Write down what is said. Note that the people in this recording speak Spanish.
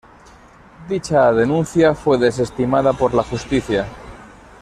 Dicha denuncia fue desestimada por la Justicia.